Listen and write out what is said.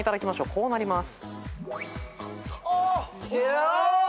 こうなります。